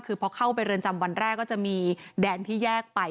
คือพอเข้าไปเรือนจำวันแรกก็จะมีแดนที่แยกไป